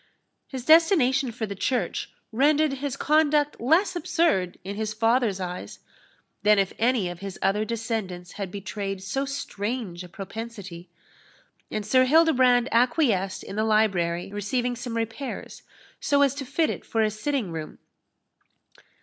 His destination for the church rendered his conduct less absurd in his father's eyes, than if any of his other descendants had betrayed so strange a propensity, and Sir Hildebrand acquiesced in the library receiving some repairs, so as to fit it for a sitting room.